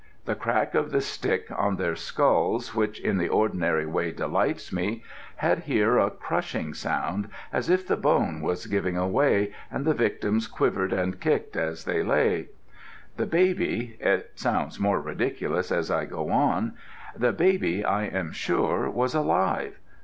The crack of the stick on their skulls, which in the ordinary way delights me, had here a crushing sound as if the bone was giving way, and the victims quivered and kicked as they lay. The baby it sounds more ridiculous as I go on the baby, I am sure, was alive.